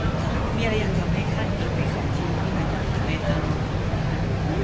มีอะไรอย่างเดียวให้ขั้นอยู่ไปของคุณที่มันจะทำให้เติม